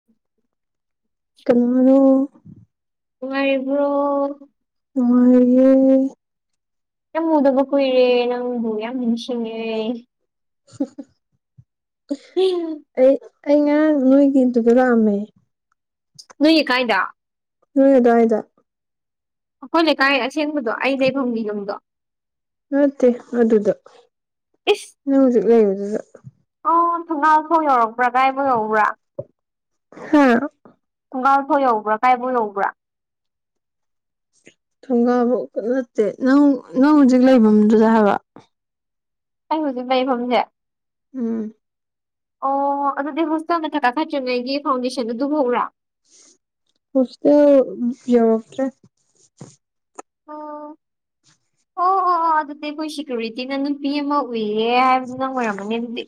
[unintelligible] ꯀ ꯅꯅꯣ ꯀꯥꯏꯔꯤꯕ꯭ꯔꯣ ꯅꯨꯪꯉꯥꯏꯔꯤ ꯌꯥꯝ ꯃꯨꯗꯕ ꯀꯨꯏꯔꯦ ꯅꯪꯕꯨ ꯌꯥꯝ ꯅꯤꯡꯁꯤꯡꯉꯦ [unintelligible] ꯎ ꯑꯩ ꯑꯩ ꯉꯔꯥꯡ ꯅꯣꯏꯒꯤꯗꯨꯗ ꯂꯥꯛꯑꯝꯃꯦ ꯅꯨꯏ ꯀꯥꯏꯗ ꯅꯣꯏ ꯑꯗꯨꯗꯋꯥꯏꯗ ꯑꯩꯈꯣꯏ ꯂꯩꯀꯥꯏ ꯑꯁꯦꯡꯕꯗꯣ ꯑꯩ ꯂꯩꯐꯝꯒꯤ ꯌꯨꯝꯗꯣ ꯅꯠꯇꯦ ꯑꯗꯨꯗ ꯏꯁ ꯅꯪ ꯍꯧꯖꯤꯛ ꯂꯩꯗꯨꯗ ꯑꯣ ꯊꯣꯡꯒꯥꯜ ꯐꯥꯎ ꯌꯧꯔꯛꯄ꯭ꯔꯥꯒꯥꯏꯐꯥꯎ ꯌꯧꯕ꯭ꯔꯥ ꯍꯥꯥ ꯊꯣꯡꯒꯥꯜ ꯐꯥꯎ ꯌꯧꯕ꯭ꯔꯥ ꯀꯥꯏꯕꯣ ꯌꯧꯕ꯭ꯔꯥ ꯊꯣꯡꯒꯥꯕ ꯅꯠꯇꯦ ꯅꯪ ꯅꯪ ꯍꯧꯖꯤꯛ ꯂꯩꯐꯝꯗꯨꯗ ꯍꯥꯏꯕ ꯑꯩ ꯍꯧꯖꯤꯛ ꯂꯩꯐꯝꯁꯦ ꯎꯝ ꯑꯣ ꯑꯗꯨꯗꯤ ꯍꯣꯁꯇꯦꯜ ꯅꯠꯇ ꯀꯥꯈꯥꯏꯠꯇ꯭ꯔꯤꯉꯩꯒꯤ ꯐꯥꯎꯟꯗꯦꯁꯟꯗꯨ ꯑꯗꯨ ꯍꯧꯔꯥ ꯍꯁꯇ ꯌꯥꯃꯇ꯭ꯔꯦ ꯑꯣ ꯑꯣ ꯑꯣ ꯑꯗꯨꯗꯤ ꯑꯩꯈꯣꯏ ꯁꯦꯀꯌꯨꯔꯤꯇꯤꯅ ꯅꯨꯄꯤ ꯑꯃ ꯀꯨꯏꯌꯦ ꯍꯥꯏꯕꯗꯨ ꯅꯪ ꯑꯣꯏꯔꯝꯃꯅꯤ ꯑꯗꯨꯗꯤ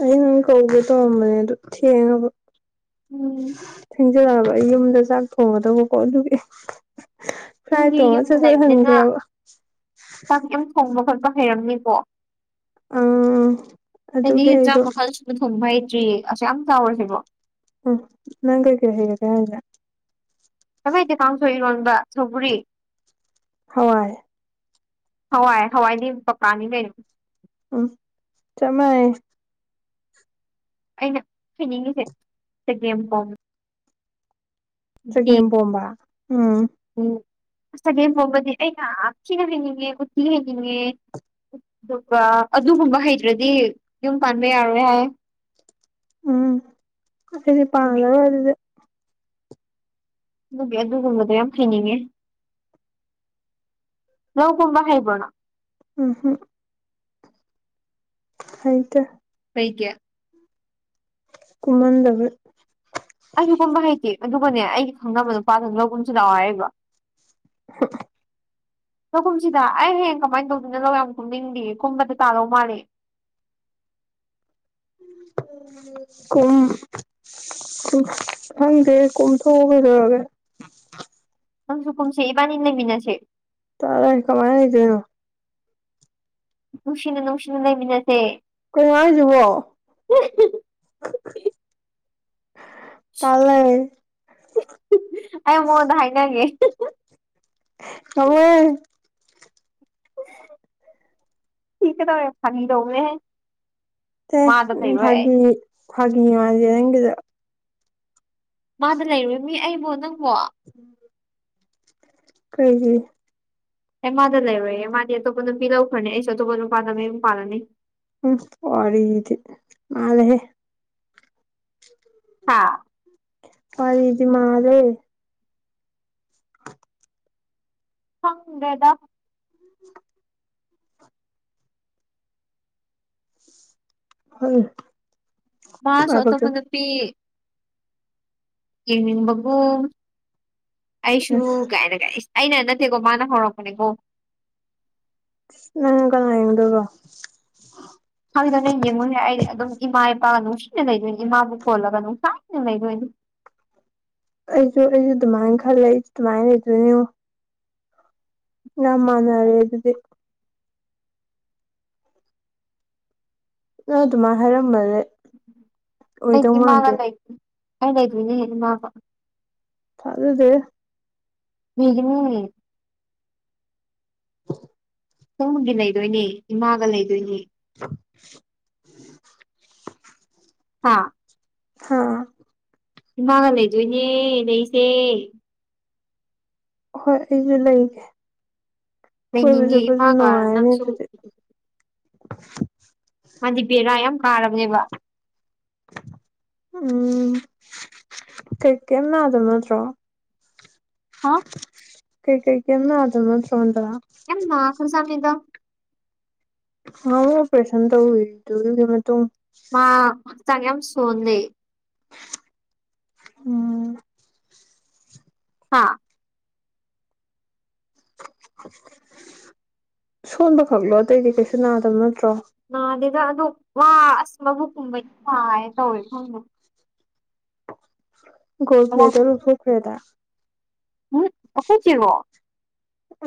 ꯑꯩ ꯅꯪ ꯀꯧꯕꯒꯦ ꯇꯣꯡꯔꯝꯕꯅꯦ ꯑꯗꯨ ꯊꯦꯡꯉꯕ ꯎꯝ ꯊꯦꯡꯖꯜꯂꯛꯑꯕ ꯑꯩ ꯌꯨꯝꯗ ꯆꯥꯛ ꯊꯣꯡꯒꯗꯧꯕꯀꯣ ꯑꯗꯨꯒꯤ ꯀꯥꯏ ꯅꯪꯗꯤ ꯇꯣ ꯃ ꯌꯨꯝꯗ ꯆꯁ ꯂꯩꯕꯅꯤꯅ ꯊꯟꯒ꯭ꯔ ꯆꯥꯛ ꯌꯨꯝ ꯊꯣꯡꯕ ꯈꯣꯠꯄ ꯍꯩꯔꯝꯅꯤꯀꯣ ꯑꯪ ꯑꯦꯗꯤ ꯑꯗꯨꯒꯤ ꯆꯥꯛ ꯑꯩꯗꯣ ꯃ ꯐꯜꯁꯨ ꯊꯣꯡꯕ ꯍꯩꯇ꯭ꯔꯤ ꯑꯁꯨ ꯌꯥꯝ ꯆꯥꯎꯔꯁꯤꯕꯣ ꯎ ꯅꯪꯥꯏꯒꯦ ꯍꯦꯒ ꯀꯂ ꯀꯃꯩꯗꯤꯦ ꯄꯥꯡꯊꯣꯛꯏ ꯏꯔꯣꯟꯕ ꯁꯒꯔꯤ ꯍꯋꯥꯏ ꯍꯋꯥꯏ ꯍꯋꯥꯏꯗꯤ ꯄꯀꯥꯅꯤ ꯂꯩ ꯎꯝ ꯆꯃꯑ ꯑꯩꯅ ꯍꯥꯏꯅꯤꯡꯉꯤꯁꯦ ꯆꯒꯦꯝ ꯄꯣꯝꯃꯦ ꯆꯒꯝ ꯄꯝꯕ ꯎꯝ ꯎ ꯆꯒꯦꯝ ꯐꯥꯎꯕꯗꯤ ꯑꯩꯩꯅ ꯊꯤꯅ ꯍꯩꯅꯤꯡꯉꯦ ꯎꯊꯤ ꯍꯩꯅꯤꯡꯉꯦ ꯑꯗꯨꯒ ꯑꯗꯨꯒꯨꯝꯕ ꯍꯩꯇ꯭ꯔꯗꯤ ꯌꯨꯝ ꯄꯥꯟꯕ ꯌꯥꯔꯣꯏ ꯍꯥꯏ ꯎꯝ ꯁꯤꯅꯤ ꯑꯗꯨꯒꯤ ꯄꯗ ꯑꯣꯏꯔꯗ ꯑꯗꯨꯒꯤ ꯑꯗꯨꯒꯨꯝꯕꯗꯣ ꯌꯥꯝ ꯍꯩꯅꯤꯡꯉꯦ ꯅꯪꯒꯨꯝꯕ ꯍꯩꯕ꯭ꯔꯣꯅꯣ ꯎꯝ ꯍꯝ ꯍꯩꯇꯦ ꯄꯩ ꯀꯦ ꯀꯨꯝꯍꯟꯗꯕ ꯑꯩꯁꯨꯒꯨꯝꯕ ꯍꯩꯇꯦ ꯑꯗꯨꯒꯅꯦ ꯑꯩꯒꯤ ꯈꯪꯅꯕ ꯅꯨꯄꯥꯗꯨ ꯂꯧꯒꯨꯝꯁꯨ ꯂꯥꯛꯑꯣ ꯍꯥꯏꯔꯤꯕ ꯂꯧꯈꯨꯝꯁꯤꯗ ꯑꯩ ꯍꯌꯦ ꯀꯃꯥꯏꯅ ꯇꯧꯗꯅ ꯂꯧ ꯌꯥꯝ ꯈꯨꯝꯅꯤꯡꯗꯦ ꯀꯨꯝꯕꯗ ꯇꯥꯂꯧ ꯃꯥꯜꯂꯦ ꯎ ꯍꯪꯗ ꯀꯝ ꯊꯒꯗꯒ ꯅꯪꯁꯨ ꯀꯨꯝꯁꯦ ꯏꯕꯥꯅꯤ ꯂꯩꯃꯤꯟꯅꯁꯦ ꯇꯥꯔꯦ ꯀꯃꯥꯏꯗꯅꯣ ꯅꯨꯡꯁꯤꯅ ꯅꯅꯨꯡꯁꯤꯅ ꯂꯩꯃꯤꯅꯁꯦ ꯀꯩꯅ ꯍꯥꯏꯁꯤꯕꯣ ꯇꯜꯦ ꯑꯩ ꯃꯉꯣꯟꯗ ꯍꯥꯏꯅꯤꯡꯉꯦ ꯇꯋ ꯊꯀꯦ ꯇ ꯐꯪꯅꯤꯗꯧꯒꯦ ꯑꯦꯦ ꯎ ꯐꯥꯒꯤ ꯐꯥꯒꯤ ꯃꯥꯁꯦ ꯅꯪꯒꯤꯗ ꯃꯥꯗ ꯂꯩꯔꯨꯣꯏ ꯃꯤ ꯑꯩꯕꯨꯣ ꯅꯪꯕꯣ ꯎꯝ ꯀꯩꯒꯤꯩ ꯑꯦ ꯃꯥꯗ ꯂꯩꯔꯣꯏꯦ ꯃꯥꯗꯤ ꯑꯇꯣꯞꯄ ꯅꯨꯄꯤ ꯂꯧꯈ꯭ꯔꯅꯤ ꯑꯩꯁꯨ ꯑꯇꯣꯞꯄ ꯅꯨꯄꯥꯗ ꯃꯌꯨꯝ ꯄꯥꯜꯂꯅꯤ ꯎꯝ ꯋꯥꯔꯤꯔꯤꯗꯤ ꯃꯥꯂꯦ ꯍꯦ ꯍꯥꯥ ꯐꯗꯤ ꯃꯥꯔꯦ ꯐꯪꯒꯦꯗ ꯍ ꯃꯥ ꯁꯣꯇ ꯐꯗ ꯄꯤ ꯌꯦꯡꯅꯤꯡꯕꯒꯨꯝ ꯑꯩꯁꯨ ꯀꯥꯏꯅꯒꯥꯏꯁꯦ ꯑꯩꯅ ꯅꯠꯇꯦꯀꯣ ꯃꯥꯅ ꯍꯧꯔꯛꯄꯅꯦꯀꯣ ꯅꯪꯒ ꯌꯦꯗꯒꯣ ꯍꯥꯏꯗꯣ ꯅꯪ ꯌꯦꯡꯉꯨꯁꯦ ꯑꯩ ꯑꯗꯨꯝ ꯏꯃꯥ ꯏꯄꯥꯒ ꯅꯨꯡꯁꯤꯅ ꯂꯩꯗꯣꯏꯅꯤ ꯏꯃꯥꯕꯨ ꯀꯣꯜꯂꯒ ꯅꯨꯡꯁꯥꯏꯅ ꯂꯩꯗꯣꯏꯅꯤ ꯑꯩꯁꯨ ꯑꯩꯁꯨ ꯑꯗꯨꯃꯥꯏꯅ ꯈꯔ ꯂꯩ ꯑꯩꯁꯨ ꯑꯗꯨꯃꯥꯏꯅ ꯂꯩꯗꯣꯏꯅꯤꯣ ꯌꯥꯝ ꯃꯥꯥꯟꯅꯔꯦ ꯑꯗꯨꯗꯤ ꯅ ꯑꯗꯨꯃꯥꯏꯅ ꯍꯥꯏꯔꯝꯃꯔꯦ ꯑꯩꯗꯤ ꯏꯃꯥꯅ ꯂꯩ ꯑꯩ ꯂꯩꯗꯣꯏꯅꯦꯦ ꯏꯃꯥꯒ ꯐ ꯑꯗꯨꯗ ꯃꯤꯒꯤꯅꯤ ꯁꯣꯝꯒꯤ ꯂꯩꯗꯣꯏꯅꯦ ꯏꯃꯥꯒ ꯂꯩꯗꯣꯏꯅꯦ [inaudible] ꯍꯥꯥ ꯍꯥꯥ ꯏꯃꯥꯒ ꯂꯩꯗꯣꯏꯅꯦ ꯂꯩꯁꯦ ꯍꯣꯏ ꯑꯩꯁꯨ ꯂꯩꯒꯦ ꯀꯣꯏꯕ ꯂꯩꯅꯤꯡꯉꯦ ꯆꯠꯄꯁꯨ ꯏꯃꯥꯒ ꯅꯨꯡꯉꯥꯏꯔꯅꯤ ꯅꯪꯁꯨ ꯑꯗꯨꯗꯤ [inaudible] ꯃꯥꯗꯤ ꯕꯦꯔꯥ ꯌꯥꯝ ꯀꯥꯔꯕꯅꯦꯕ ꯎꯝ ꯀꯩ ꯀꯩꯝ ꯅꯥꯗꯕ ꯅꯠꯇ꯭ꯔꯣ ꯍꯥ ꯀꯩ ꯀꯩ ꯀꯅ ꯑꯗꯨ ꯃꯅꯤ ꯆꯣꯗ꯭ꯔꯥ ꯌꯥꯝꯦꯝꯅ ꯈꯔꯁꯃꯤꯗ ꯍ ꯑꯣꯄꯔꯦꯁꯟ ꯇꯧꯗꯨꯒꯤ ꯃꯇꯨꯡ ꯃꯥ ꯁꯉꯝ ꯁꯣꯅꯤ ꯎꯝ ꯍꯥꯥ ꯁꯣꯟꯕ ꯈꯛꯣ ꯑꯇꯩꯗꯤ ꯀꯩꯁꯨ ꯅꯥꯗꯕ ꯅꯠꯇ꯭ꯔꯣ ꯅꯥꯗꯦꯗ ꯑꯗꯣ ꯋꯥ ꯑꯁ ꯃꯕꯨꯛꯀꯨꯝꯕꯗꯤ ꯐꯥꯏ ꯇꯧꯋꯦ ꯈꯪꯗꯦ ꯎꯝ ꯣꯁ꯭ꯂꯦꯗꯐꯈ꯭ꯔꯦꯗ ꯎꯝ ꯑꯈꯣꯏꯆꯦꯔꯣ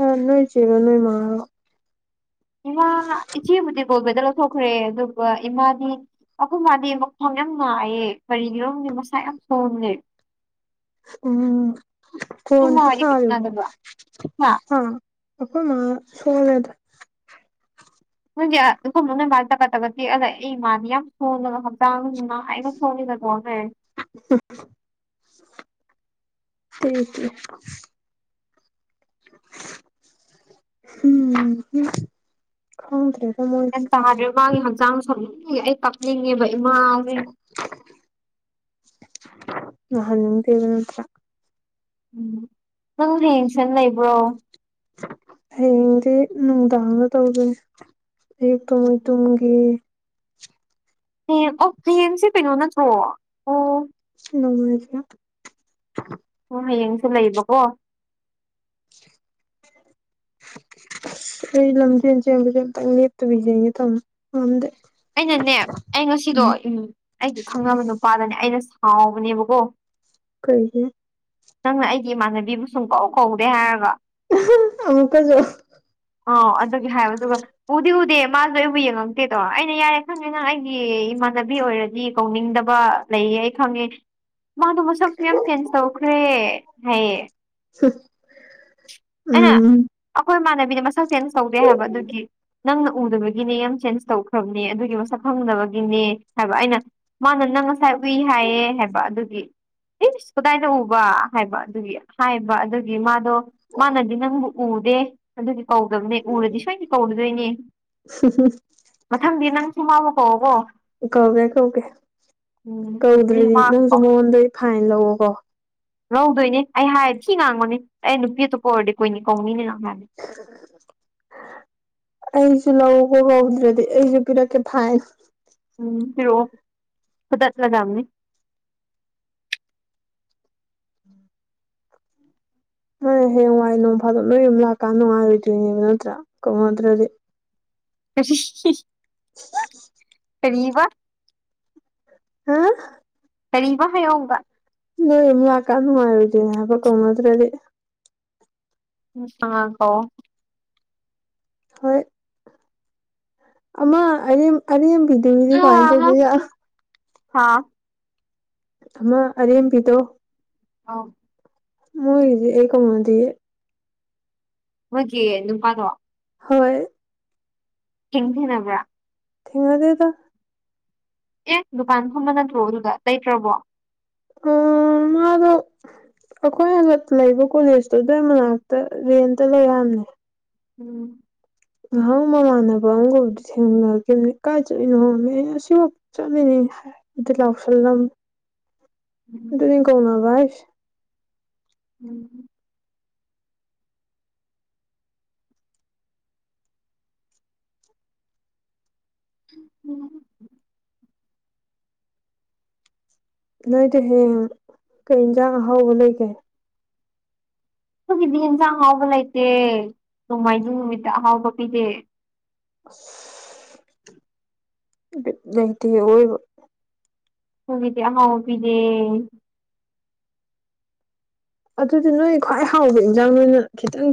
ꯑ ꯅꯣꯏ ꯆꯦꯔꯣ ꯅꯣꯏ ꯃꯥꯔꯣ ꯏꯃꯥ ꯏꯆꯦꯕꯨꯗꯤ ꯒꯣꯜ ꯕ꯭ꯂꯦꯗ ꯂꯧꯊꯣꯛꯈ꯭ꯔꯦ ꯑꯗꯨꯒ ꯏꯃꯥꯗꯤ ꯑꯩꯈꯣꯏ ꯃꯥꯗꯤ ꯃꯈ꯭꯭ꯋꯥꯡ ꯌꯥꯝ ꯅꯥꯥꯏꯌꯦ ꯀꯔꯤꯒꯤꯔ ꯈꯪꯗꯦ ꯃꯁꯥ ꯌꯥꯝ ꯁꯣꯜꯂꯦ ꯎꯝ ꯅꯣꯏ ꯃꯥ ꯀꯣꯟꯁꯨ ꯍꯣꯏꯗꯤ ꯀꯩꯁꯨ ꯁꯥꯔꯤꯕꯣ ꯅꯥꯗꯕ꯭ꯔꯣ ꯍꯥ ꯍ ꯑꯈꯣꯏ ꯃꯥ ꯁꯣꯂꯦꯗ ꯅꯣꯏꯁꯦ ꯑꯗꯨꯐꯝ ꯅꯣꯏ ꯃꯥ ꯇꯒꯠ ꯇꯒꯠ ꯇꯦꯛꯑꯂ ꯂꯩ ꯑꯩꯃꯥꯗꯤ ꯌꯥꯝ ꯁꯣꯜꯂꯒ ꯍꯛꯆꯥꯡꯃ ꯍꯥꯏꯅ ꯁꯣꯜꯂꯤꯗ ꯀꯣꯅꯦ [unintelligible] ꯍꯨꯝꯍꯨ ꯈꯪꯗꯦ ꯃꯣꯏꯁꯦ ꯌꯥꯗ꯭ꯔꯦ ꯃꯥꯒꯤ ꯍꯛꯆꯥꯡꯁꯨ ꯑꯩ ꯀꯞꯅꯤꯡꯉꯦꯕ ꯏꯃꯥꯁꯦ ꯅꯍꯥꯟ ꯅꯤꯡꯗꯦꯗ ꯅꯠꯇ꯭ꯔ ꯅꯪ ꯍꯌꯦꯡ ꯁꯟ ꯂꯩꯕ꯭ꯔꯣ ꯍꯌꯦꯡꯗꯤ ꯅꯨꯡꯗꯥꯡꯗ ꯇꯧꯗꯧꯅꯦ ꯑꯌꯨꯛꯇꯣ ꯃꯣꯏ ꯇꯨꯝꯒꯤ ꯏ ꯍꯦꯝ ꯑꯣ ꯄꯤꯑꯦꯝꯁꯦ ꯀꯩꯅꯣ ꯅꯠꯇ꯭ꯔꯣ ꯑꯣ [unintelligible] ꯍꯣ ꯍꯌꯦꯡꯁꯨ ꯂꯩꯕꯀꯣ ꯑꯩ ꯂꯝꯖꯦꯟ ꯆꯦꯟꯕꯖꯦ ꯑꯝꯇꯪ ꯂꯦꯞꯇꯕꯤ ꯆꯦꯟꯒꯦ ꯇꯧꯅꯦ ꯉꯝꯗꯦ ꯑꯩꯅꯅꯦ ꯑꯩ ꯉꯁꯤꯗꯣ ꯎꯝ ꯑꯩꯒꯤ ꯈꯪꯅꯕ ꯅꯨꯄꯥꯗꯅꯦ ꯑꯩꯅ ꯁꯥꯎꯕꯅꯦꯕꯀꯣ ꯀꯩꯒꯤ ꯅꯪꯅ ꯑꯩꯒꯤ ꯏꯃꯥꯟꯅꯕꯤꯕꯨ ꯁꯨꯡꯀꯧ ꯀꯧꯗꯦ ꯍꯥꯏꯔꯒ ꯑꯃꯨꯀꯖꯨ ꯑ ꯑꯗꯨꯒꯤ ꯍꯥꯏꯕ ꯑꯗꯨꯒ ꯎꯗꯤ ꯎꯗꯦ ꯃꯥꯁꯨ ꯑꯩꯕꯨ ꯌꯦꯡꯉꯛꯇꯦꯗꯣ ꯑꯩꯅ ꯌꯥꯔꯦ ꯈꯪꯉꯦ ꯅꯪ ꯑꯩꯒꯤ ꯏꯃꯥꯟꯅꯕꯤ ꯑꯣꯏꯔꯗꯤ ꯀꯧꯅꯤꯡꯗꯕ ꯂꯩꯌꯦ ꯑꯩ ꯈꯪꯉꯦ ꯃꯥꯗꯣ ꯃꯁꯛꯁꯨ ꯌꯥꯝ ꯆꯦꯟꯖ ꯇꯧꯈ꯭ꯔꯦ ꯍꯥꯏꯌꯦ [unintelligible] ꯑꯩꯅ ꯎꯝ ꯑꯩꯈꯣꯏ ꯏꯃꯥꯟꯅꯕꯤꯅ ꯃꯁꯛ ꯆꯦꯟꯖ ꯇꯧꯗꯦ ꯍꯥꯏꯕ ꯑꯗꯨꯒꯤ ꯅꯪꯅ ꯎꯗꯕꯒꯤꯅꯦ ꯌꯥꯝ ꯆꯦꯟꯖ ꯇꯧꯈ꯭ꯔꯕꯅꯦ ꯑꯗꯨꯒꯤ ꯃꯁꯛ ꯈꯪꯗꯕꯒꯤꯅꯦ ꯍꯥꯏꯕ ꯑꯩꯅ ꯃꯥꯅ ꯅꯪ ꯉꯁꯥꯏ ꯎꯏ ꯍꯥꯏꯌꯦ ꯍꯥꯏꯕ ꯑꯗꯨꯒꯤ ꯏꯁ ꯀꯗꯥꯏꯗ ꯎꯕ ꯍꯥꯏꯕ ꯑꯗꯨꯒꯤ ꯍꯥꯏꯕ ꯑꯗꯨꯒꯤ ꯃꯥꯗꯣ ꯃꯥꯅꯗꯤ ꯅꯪꯕꯨ ꯎꯗꯦ ꯑꯗꯨꯗꯤ ꯀꯧꯗꯕꯅꯦ ꯎꯔꯗꯤ ꯁꯣꯏꯗꯤ ꯀꯧꯔꯨꯗꯣꯏꯅꯦ ꯃꯊꯪꯗꯤ ꯅꯪꯁꯨ ꯃꯥꯥꯕꯨ ꯀꯥꯎꯕꯣ ꯀꯧꯒꯦ ꯀꯧꯒꯦ ꯎꯝ ꯀꯧꯗ꯭ꯔꯗꯤ ꯅꯪꯁꯨ [unintelligible] ꯃꯉꯣꯟꯗꯩ ꯐꯥꯏꯟ ꯂꯧꯋꯣ ꯀꯣ ꯂꯧꯗꯣꯏꯅꯦ ꯑꯩ ꯍꯥꯏꯔ ꯊꯤ ꯉꯥꯡꯕꯅꯤ ꯑꯩ ꯅꯨꯄꯤ ꯑꯇꯣꯞꯄ ꯑꯣꯏꯔꯗꯤ ꯀꯣꯏ ꯀꯧꯅꯤꯅꯦ ꯍꯥꯏꯕꯅꯤ ꯎ [unintelligible] ꯑꯩꯁꯨ ꯂꯧ ꯀꯧꯗ꯭ꯔꯗꯤ ꯑꯩꯁꯨ ꯄꯤꯔꯛꯀꯦ ꯐꯥꯏꯟ ꯎꯝ ꯄꯤꯔꯛꯑꯣ ꯐꯨꯗꯠꯂꯗꯝꯅꯤ ꯍꯣꯏ ꯍꯌꯦꯡꯋꯥꯏ ꯅꯣꯡ ꯐꯥꯗꯣꯛ ꯂꯣꯏ ꯌꯨꯝ ꯂꯥꯛꯀꯥꯟꯗ ꯅꯨꯡꯉꯥꯏꯔꯣꯏꯗꯣꯏꯅꯦꯕ ꯅꯠꯇ꯭ꯔꯥ ꯀꯧꯅꯗ꯭ꯔꯗꯤ [unintelligible] [inaudible] ꯀꯔꯤꯕ ꯍꯥ ꯀꯔꯤꯕ ꯍꯥꯏꯌꯣ ꯑꯃꯨꯀ ꯅꯣꯏ ꯌꯨꯝ ꯂꯥꯛꯀꯥꯟ ꯅꯨꯡꯉꯥꯏꯔꯣꯏꯗꯨꯅꯦ ꯍꯥꯏꯕ ꯀꯧꯅꯗ꯭ꯔꯗꯤ ꯑ ꯀꯧꯑꯣ ꯍꯣꯏ ꯑꯃ ꯑꯔꯦꯝ ꯑꯔꯦꯝꯕꯤꯗꯨꯅꯤꯅꯦ ꯀꯃꯥꯏ ꯇꯧꯗꯣꯏ ꯌꯥ ꯍꯥꯥ ꯑꯃꯃ ꯑꯔꯦꯝꯕꯤꯤꯗꯣ ꯑꯥꯎ ꯃꯣꯏꯗꯤ ꯑꯦꯀ ꯃꯗꯤ ꯍꯧꯣꯏꯦ ꯅꯨꯅꯨꯡꯄꯥ ꯇꯋꯥ ꯍꯣꯏ ꯍꯪꯗ ꯅꯕ꯭ꯔꯥ ꯊꯦꯡꯉꯗꯗ ꯑꯦ ꯗꯨꯀꯥꯟꯒꯨꯝꯕ ꯅꯠꯇ꯭ꯔꯣ ꯑꯗꯨꯗ ꯂꯩꯇ꯭ꯔꯕꯣ ꯑꯣ ꯃꯥꯗꯨ ꯑꯩꯈꯣꯏ ꯍꯟꯗꯛ ꯂꯩꯕ ꯀꯣꯂꯦꯖꯇꯨꯗꯩ ꯃꯅꯥꯛꯇ ꯔꯦꯟꯇ ꯂꯩꯔꯕꯅꯦ ꯎꯝ ꯉꯍꯪ ꯃꯃꯥꯟꯅꯕ ꯑꯃꯒꯕꯨꯗꯤ ꯊꯦꯡꯅꯈꯤꯕꯅꯤ ꯀꯥꯏ ꯆꯠꯏꯅꯣ ꯍꯣꯡꯉꯃꯦ ꯑꯩꯅ ꯑꯁꯤꯐꯥꯎ ꯆꯠꯂꯤꯅꯤ ꯂꯎꯁꯂꯝ ꯑꯗꯨꯅꯤ ꯀꯧꯅꯕ ꯚꯥꯏꯁ ꯎꯝ ꯎꯝ ꯅꯣꯏꯗꯤ ꯍꯌꯦꯡ ꯀꯩ ꯌꯦꯟꯁꯥꯡ ꯑꯍꯥꯎꯕ ꯂꯩꯒꯦ ꯑꯩꯈꯣꯏꯒꯤꯗꯤ ꯌꯦꯟꯁꯥꯡ ꯑꯍꯥꯎꯕ ꯂꯩꯇꯦ ꯅꯣꯡꯃꯥꯏꯖꯤꯡ ꯅꯨꯃꯤꯠꯇ ꯑꯍꯥꯎꯕ ꯄꯤꯗꯦ [unintelligible] ꯅꯇ ꯑꯣꯏꯣꯏ ꯍꯕꯤꯗ ꯍꯥꯎ ꯄꯤꯗꯦ ꯑꯗꯨꯗꯤ ꯅꯣꯏ ꯈ꯭ꯋꯥꯏ ꯍꯥꯎꯕ ꯏꯟꯖꯥꯡ ꯅꯣꯏꯅ ꯈꯤꯇꯪ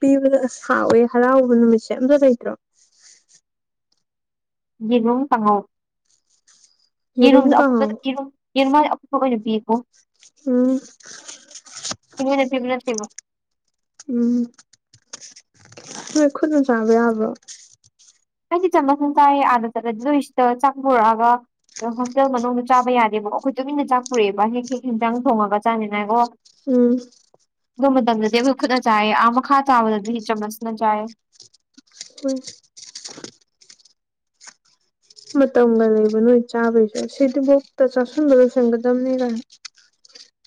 ꯄꯤꯕꯗ ꯑꯁ ꯍꯥꯎꯋꯦ ꯍꯔꯥꯎꯕ ꯅꯨꯃꯤꯠꯁꯦ ꯆꯖꯗ꯭ꯔꯣ ꯌꯦꯨꯝ ꯁꯉꯣ ꯌꯦꯔꯨꯝ ꯌꯦꯔꯨꯝꯗꯣ ꯀꯥꯡꯍꯧ ꯑꯐꯨꯕꯔꯨꯝ ꯌꯦꯔꯨꯝꯃ ꯑꯐꯨꯄ ꯑꯣꯏꯅ ꯄꯤꯌꯦꯀꯣ ꯎꯝ ꯊꯤꯡꯉ ꯅꯊꯨ ꯅꯊꯕ ꯎꯝ ꯍꯣꯏ ꯈꯨꯠꯅ ꯆꯥꯕ ꯌꯥꯕ꯭ꯔꯣ ꯑꯩꯗꯤ ꯆꯝ ꯃꯁꯟ ꯆꯥꯏꯌꯦ ꯑꯥꯗ ꯆꯠꯂꯗꯤ ꯅꯣꯏꯁꯤꯗ ꯆꯥꯛꯊꯣꯔꯛꯑꯒ ꯑꯗꯣ ꯍꯣꯁꯇꯦꯜ ꯃꯅꯨꯡꯗ ꯆꯥꯕ ꯌꯥꯗꯦꯕꯀ ꯑꯩꯈꯣꯏ ꯇꯨꯃꯤꯟꯅ ꯆꯥꯛ ꯄꯨꯔꯛꯑꯦꯕ ꯍꯦꯛ ꯍꯦꯛ ꯍꯦꯟꯖꯥꯡ ꯊꯣꯡꯉꯒ ꯆꯥꯅꯤꯅꯏꯀꯣ ꯎꯝ ꯑꯗꯨ ꯃꯇꯝꯗꯗꯤ ꯑꯩꯈꯣꯏ ꯈꯨꯠꯅ ꯆꯥꯏꯑꯌꯦ ꯑꯥ ꯃꯈꯥ ꯆꯥꯕꯗꯗꯤ ꯆꯃꯁꯅ ꯆꯥꯏꯑ ꯎꯝ ꯃꯇꯝꯒ ꯂꯩꯕ ꯅꯣꯏ ꯆꯥꯕꯩꯁꯦ ꯁꯤꯗꯤꯐꯣꯛꯇ ꯆꯥꯥꯁꯟꯕ ꯂꯣꯏꯁꯟꯒꯗꯝꯕꯅꯤ ꯀ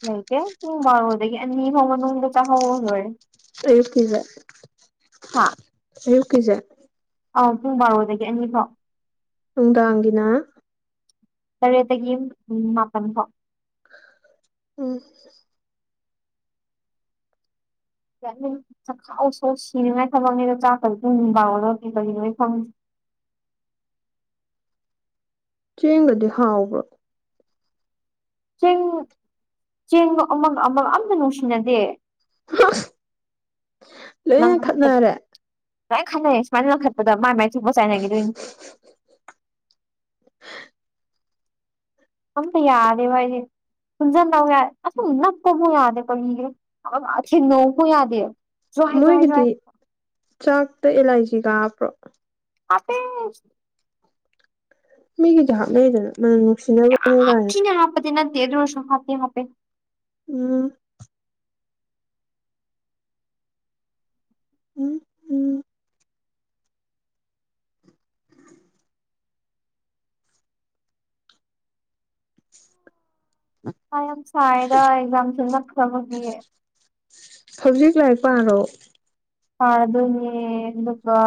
ꯂꯩꯇꯦ ꯍ ꯃꯥꯗꯗꯒꯤꯅꯤ ꯍ ꯅ ꯆ ꯍꯗ ꯋꯥꯦ ꯑꯩꯨꯀꯤꯁꯦ ꯑꯨꯀꯤꯁꯦ ꯑ ꯄꯨꯡ ꯕꯥꯔꯣꯗꯒꯤ ꯑꯅꯤ ꯐꯥꯎ ꯅꯨꯡꯗꯥꯡꯒꯤꯅ ꯇꯔꯦꯠꯇꯒꯤ ꯃꯥꯄꯟ ꯐꯥꯎ ꯎꯝ ꯆꯥꯛꯈꯥꯎ ꯁꯣꯛ ꯁꯤꯅꯤꯡꯉꯥꯏ ꯊꯝꯃꯉꯦꯗꯣ ꯆꯥꯛꯇꯗꯤ ꯇꯨꯡꯅꯤꯡꯕꯥꯔꯒ ꯀꯔꯤ ꯂꯣꯏ ꯐꯪꯦ ꯆꯦꯡꯒꯗꯤ ꯍꯥꯎꯕ꯭ꯔꯣ ꯆꯦꯡ ꯆꯦꯡꯒ ꯑꯃꯒ ꯑꯃꯒ ꯑꯝꯇ ꯅꯨꯡꯁꯤꯅꯗꯦ ꯂꯣꯏꯅ ꯅꯪꯍꯗ ꯈꯠꯅꯔꯦ ꯂꯥꯏ ꯈꯅꯩ ꯁꯨꯃꯥꯏꯅ ꯂꯪꯈꯠꯄꯗ ꯃꯥꯏ ꯃꯥꯏ ꯆꯨꯄ ꯆꯥꯏꯅꯈꯤꯗꯣꯏꯅꯤ ꯑꯝꯛꯇ ꯌꯥꯗ ꯑꯦ ꯥꯏꯁꯦ ꯄꯨꯟꯁꯤꯟꯗꯎ ꯌꯥꯦ ꯑꯁ ꯅꯞꯄꯕꯨ ꯌꯥꯗꯦ ꯀꯦ ꯁꯤ ꯅꯕꯨ ꯌꯥꯗꯦ ꯖ꯭ꯋꯥꯏ ꯖ꯭ꯋꯥꯏ ꯃꯣꯏꯒꯤꯗꯤ ꯖ꯭ꯋꯥꯏ ꯆꯥꯛꯇ ꯑꯦꯂꯥꯏꯖꯤ ꯀꯥꯕ꯭ꯔꯣ ꯑꯇꯩ ꯃꯤꯒꯤ ꯈꯥꯞꯅꯩꯗꯅ ꯃ ꯅꯅꯨꯡꯁꯤꯅ ꯌꯥꯝꯊꯤꯅ ꯍꯥꯞꯄꯗꯤ ꯅꯗꯤꯦꯗꯣꯁꯨ ꯍꯥꯇꯦ ꯍꯥ ꯄꯦ ꯎꯝ ꯎꯝ ꯎꯝ ꯑ ꯌꯥꯝ ꯁꯥꯏꯗ ꯑꯦꯛꯖꯥꯝꯁꯨ ꯅꯛꯈ꯭ꯔꯕꯒꯤꯌꯦ ꯍꯧꯖꯤꯛ ꯂꯥꯏꯔꯤꯛ ꯄꯥꯔꯣ ꯐꯥ ꯑꯗꯨꯅꯤ ꯂꯒ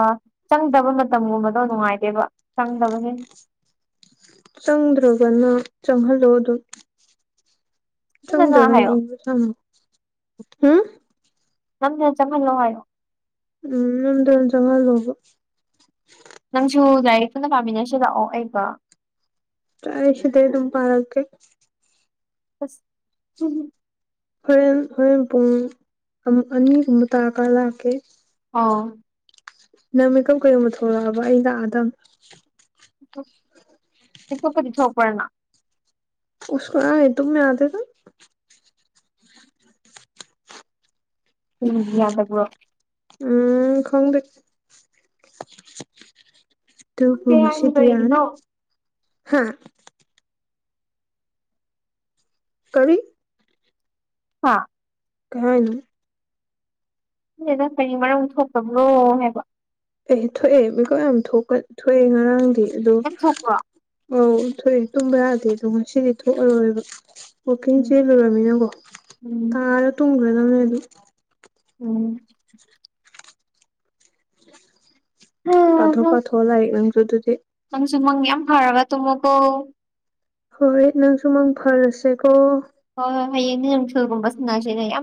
ꯆꯪꯗꯕ ꯃꯇꯝꯒꯨꯝꯕꯗꯣ ꯅꯨꯡꯉꯥꯏꯇꯦꯕ ꯆꯪꯗꯕꯁꯦ ꯆꯪꯗ꯭ꯔꯕꯅ ꯆꯪꯍꯜꯂꯣ ꯑꯗꯨꯝ ꯅꯝꯗꯅ ꯆꯪꯗꯒꯅꯤ ꯍꯥꯏꯌꯣ ꯊꯃ ꯎꯝ ꯅꯪꯅ ꯆꯪꯍꯜꯂꯣ ꯍꯥꯏꯌꯣ ꯎꯝ ꯅꯗ ꯆꯉꯜ ꯍꯕ ꯅꯪꯁꯨ ꯂꯥꯏꯔꯤꯛ ꯐꯟꯅ ꯄꯥꯃꯤꯟꯅꯁꯤꯔꯛꯑꯣ ꯑꯩꯒ ꯁꯗ ꯑꯗꯨꯝ ꯄꯥꯔꯀꯦ ꯑꯁ ꯎ ꯍꯣꯔꯦꯟ ꯍꯣꯔꯦꯟ ꯄꯨꯡ ꯑꯅꯤꯒꯨꯝꯕ ꯇꯥꯔꯒ ꯂꯥꯛꯀꯦ ꯑ ꯅꯪ ꯃꯦꯀꯞ ꯀꯩꯒꯨꯝꯕ ꯊꯣꯛꯂꯛꯑꯕ ꯑꯩ ꯂꯥꯛꯑꯗ ꯁꯨꯄꯗꯤ ꯊꯣꯛꯣꯛꯄꯅ ꯎꯀꯣꯦ ꯇꯨꯝ ꯑꯗ ꯎꯝ ꯌꯥꯗꯕꯔꯣ ꯎꯝ ꯈꯪꯗ ꯇꯨꯕꯨ ꯈꯪꯗꯦ ꯍꯥꯏꯅꯤ ꯃꯁꯤꯗꯤꯌꯥ ꯀꯔꯤꯒꯤꯅꯣ ꯍꯥ ꯀꯔꯤ ꯍꯥ ꯀꯍꯅꯤ ꯁꯤꯁꯤꯅ ꯀꯔꯤ ꯃꯔꯝ ꯊꯣꯛꯇꯕ꯭ꯔꯣ ꯍꯥꯏꯕ ꯑꯦꯍ ꯊꯣꯛꯑꯦ ꯃꯤꯀꯨꯞ ꯌꯥꯝ ꯊꯣꯛꯑꯦ ꯉꯔꯥꯡꯗꯤ ꯑꯗꯣ ꯌꯥꯝ ꯊꯣꯛꯄ꯭ꯔꯣ ꯑꯧ ꯊꯣꯛꯑꯦ ꯇꯨꯝꯕ ꯌꯥꯗꯦ ꯑꯗꯣ ꯉꯁꯤꯗꯤ ꯊꯣꯛꯑꯔꯣꯏꯕ ꯋꯥꯛꯀꯤꯡ ꯎꯝ ꯆꯦꯜꯂꯨꯨꯔꯃꯤꯅꯀꯣ ꯎꯝ ꯇꯥꯔ ꯇꯨꯝꯈ꯭ꯔꯗꯕꯅꯦ ꯑꯗꯨ ꯎꯝ ꯍꯥ ꯄꯥꯊ ꯄꯥꯊꯣ ꯂ ꯂꯩꯁꯨ ꯑꯗꯨꯗꯤ ꯅꯪꯁꯨ ꯃꯪ ꯌꯥꯝ ꯐꯔꯕ ꯇꯨꯃꯣꯀꯣ ꯍꯣꯏ ꯅꯪꯁꯨ ꯃꯪ ꯐꯔꯁꯦꯀꯣ ꯍꯣꯏ ꯍꯣꯏ ꯍꯌꯦꯡ ꯅꯨꯡꯊꯤꯜꯒꯨꯝꯕ ꯁꯥꯟꯅꯁꯤ ꯌꯥꯝ